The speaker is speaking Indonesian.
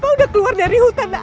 mau udah keluar dari hutan